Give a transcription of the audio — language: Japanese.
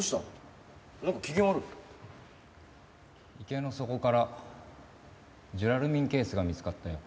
池の底からジュラルミンケースが見つかったよ。